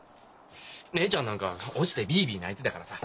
姉ちゃんなんか落ちてビービー泣いてたからさ。